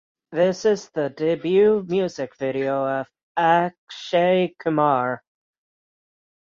This is the debut music video of Akshay Kumar.